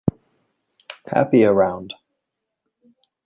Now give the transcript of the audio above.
Happy Around!